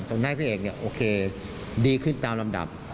ทำให้พระเอกเนี่ยโอเคดีขึ้นตามลำดับ